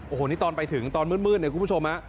โอ้โหนี่ตอนไปถึงตอนมืดเนี่ยคุณผู้ชมฮะ